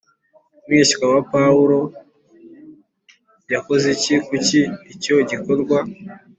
Mwishywa wa Pawulo yakoze iki Kuki icyo gikorwa